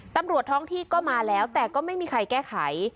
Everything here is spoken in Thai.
ตำรวจท้องที่ก็มาแล้วแต่ก็ไม่มีใครแก้ไข